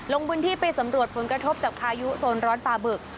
ลงพื้นที่ไปสำรวจผลกระทบจากพายุโซนร้อนปลาบึก